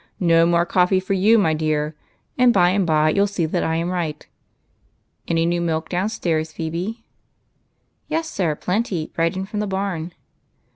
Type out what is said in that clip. Kg more coffee for you, my dear, and by and by you '11 see that I am right. Any new milk downstairs, Phebe?" "Yes, sir, plenty, — right in from the barn."